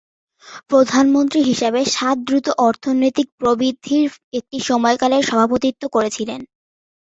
প্রধানমন্ত্রী হিসাবে, সাত দ্রুত অর্থনৈতিক প্রবৃদ্ধির একটি সময়কালের সভাপতিত্ব করেছিলেন।